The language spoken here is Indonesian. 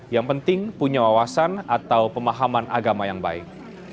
yang penting punya wawasan atau pemahaman agama yang baik